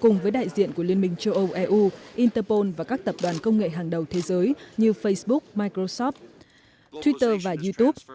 cùng với đại diện của liên minh châu âu eu interpol và các tập đoàn công nghệ hàng đầu thế giới như facebook microsoft twitter và youtube